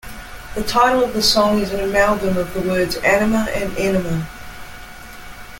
The title of the song is an amalgam of the words "Anima" and "Enema".